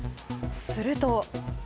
すると。